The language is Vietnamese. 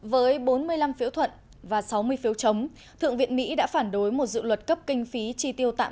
với bốn mươi năm phiếu thuận và sáu mươi phiếu chống thượng viện mỹ đã phản đối một dự luật cấp kinh phí tri tiêu tạm